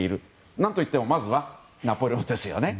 なんといってもまずはナポレオンですよね。